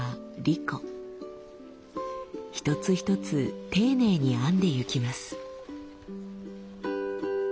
一つ一つ丁寧に編んでいきます。